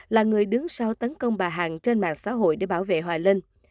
là người đứng sau tấn công bà hằng trên mạng xã hội để bảo vệ hoài linh